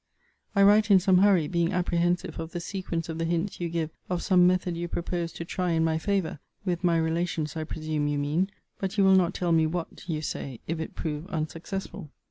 I write in some hurry, being apprehensive of the sequence of the hints you give of some method you propose to try in my favour [with my relations, I presume, you mean]: but you will not tell me what, you say, if it prove unsuccessful.